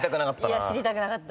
いや知りたくなかった。